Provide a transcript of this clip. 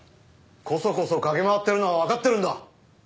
コソコソ嗅ぎ回ってるのはわかってるんだ。